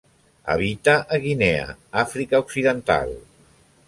Habita a Guinea, Àfrica Occidental.